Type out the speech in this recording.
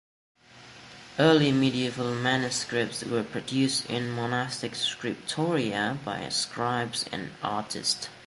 Early medieval manuscripts were produced in monastic scriptoria by scribes and artists.